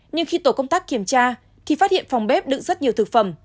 nhưng khi tổ công tác kiểm tra thì phát hiện phòng bếp đựng rất nhiều thực phẩm